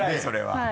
それは。